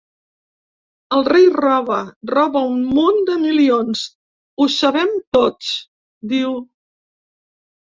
El rei roba, roba un munt de milions, ho sabem tots, diu.